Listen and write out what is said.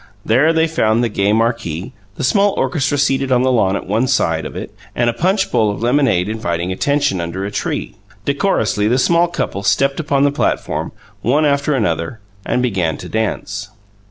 There they found the gay marquee; the small orchestra seated on the lawn at one side of it, and a punch bowl of lemonade inviting attention, under a tree. Decorously the small couples stepped upon the platform, one after another, and began to dance.